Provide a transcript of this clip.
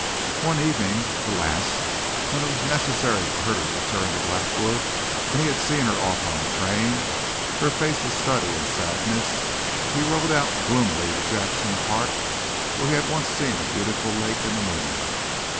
One evening the last when it was necessary for her to return to Blackwood, and he had seen her off on the train, her face a study in sadness, he rode out gloomily to Jackson Park where he had once seen a beautiful lake in the moonlight.